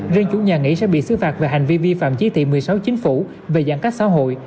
riêng chủ nhà nghỉ sẽ bị xứ phạt về hành vi vi phạm chỉ thị một mươi sáu chính phủ về giãn cách xã hội